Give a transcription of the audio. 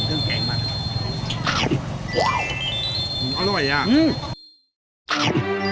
อื้มเครื่องแกงมัน